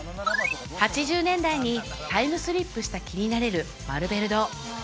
８０年代にタイムスリップした気になれるマルベル堂